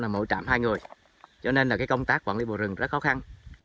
mỗi trạm hai người cho nên công tác quản lý bộ rừng rất khó khăn